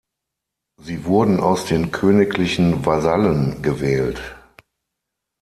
Sie wurden aus den königlichen Vasallen gewählt.